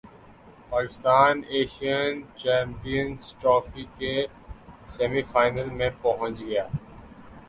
Pakistan Asian champions trophy کے semi final میں پہنچ گیا